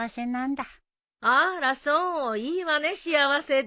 あらそういいわね幸せで。